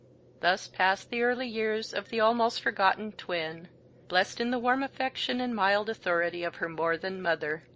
Thus passed the early years of the almost forgotten twin; blest in the warm affection and mild authority of her more than mother.